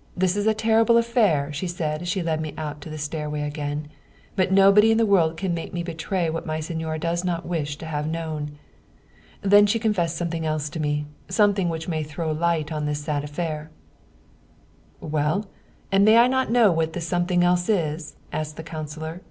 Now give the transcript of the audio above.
' This is a terrible affair/ she said as she led me out to the stairway again, ' but nobody in the world can make me betray what my signora does not wish to have known/ Then she confessed something else to me, something which may throw light on this sad affair/' "Well and may I not know what this something else is ?" asked the councilor.